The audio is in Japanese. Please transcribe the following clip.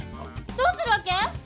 どうするわけ？